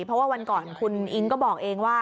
เพราะว่าวันก่อนคุณอิ๊งก็บอกเองว่า